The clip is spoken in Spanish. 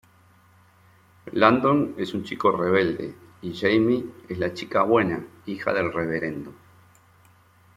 Landon es un chico rebelde y Jamie es la chica buena, hija del reverendo.